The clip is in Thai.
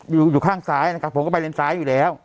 อยู่ข้างซ้ายนะครับผมก็ไปเลนซ้ายอยู่แล้ว